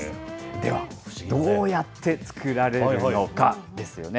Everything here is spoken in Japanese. では、どうやって作られるのかですよね。